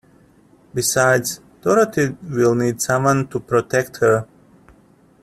Besides, Dorothy will need someone to protect her.